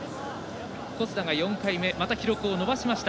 小須田が４回目記録を伸ばしました。